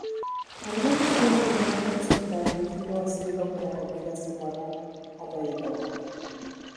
Algunos tienen un núcleo central rígido haciendo que la comida se mueva alrededor.